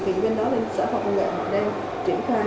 thì bên đó bên sở phòng công nghệ họ đang triển khai